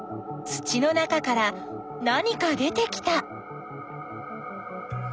土の中から何か出てきた。